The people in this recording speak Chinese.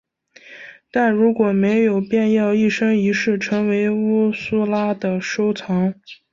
但如果没有便要一生一世成为乌苏拉的收藏。